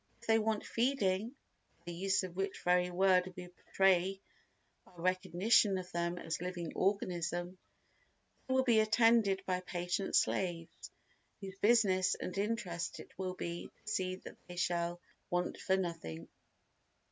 If they want "feeding" (by the use of which very word we betray our recognition of them as living organism) they will be attended by patient slaves whose business and interest it will be to see that they shall want for nothing.